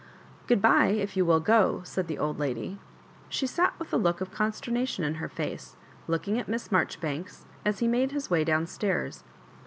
Good bye, if you will go," said the old lady. She sat with a look of consternation in her face, looking at Miss Mar joribanks, as he made his way down stairs.